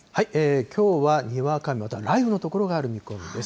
きょうはにわか雨、または雷雨の所がある見込みです。